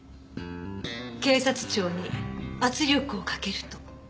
警察庁に圧力をかけると？